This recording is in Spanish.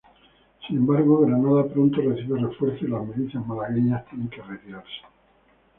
Sin embargo, Granada pronto recibe refuerzos, y las milicias malagueñas tienen que retirarse.